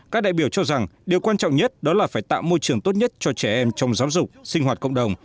các đại biểu cho rằng điều quan trọng nhất đó là phải tạo môi trường tốt nhất cho trẻ em trong giáo dục sinh hoạt cộng đồng